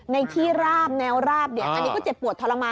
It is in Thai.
ในที่ราบแนวราบนี้ก็เจ็บปวดทรมานนะครับ